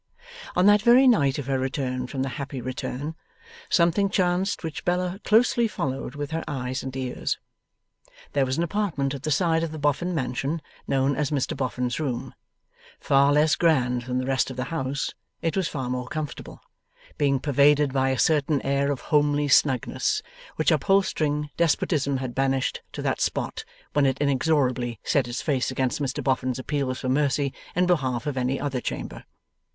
On that very night of her return from the Happy Return, something chanced which Bella closely followed with her eyes and ears. There was an apartment at the side of the Boffin mansion, known as Mr Boffin's room. Far less grand than the rest of the house, it was far more comfortable, being pervaded by a certain air of homely snugness, which upholstering despotism had banished to that spot when it inexorably set its face against Mr Boffin's appeals for mercy in behalf of any other chamber.